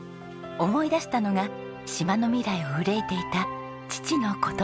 思い出したのが島の未来を憂いていた父の言葉でした。